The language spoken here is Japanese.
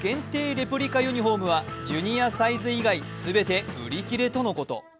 レプリカユニフォームはジュニアサイズ以外、全て売り切れとのこと。